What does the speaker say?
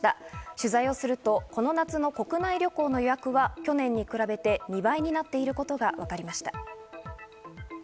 取材をすると、この夏の国内旅行の予約は去年に比べて２倍になっていることがわかりました。